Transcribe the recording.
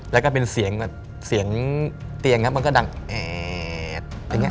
และเสียงเตียงมันดังตรงแอด